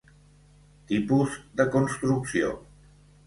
Tipus de construcció: